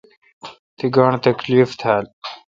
تی گاݨڈ تکیف تھال۔